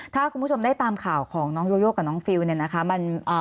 ถ้าคุณผู้ชมได้ตามข่าวของน้องโยโยกับน้องฟิลเนี่ยนะคะ